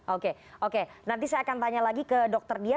oke oke nanti saya akan tanya lagi ke dokter dia